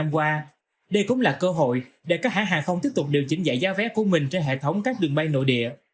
qua đây cũng là cơ hội để các hãng hàng không tiếp tục điều chỉnh dạy giá vé của mình trên hệ thống các đường bay nội địa